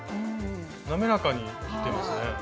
滑らかに切ってますね。